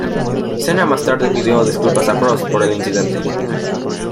Senna más tarde pidió disculpas a Prost por el incidente.